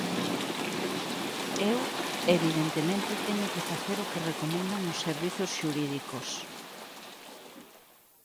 Eu, evidentemente, teño que facer o que recomendan os servizos xurídicos.